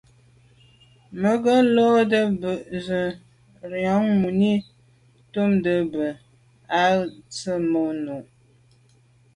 Mə́ ngə́ lódə́ bə̄ zə̄ bū rə̂ mùní ndɛ̂mbə́ bú gə̀ rə̌ tsə̀mô' nù.